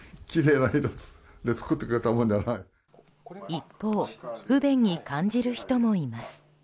一方不便に感じる人もいます。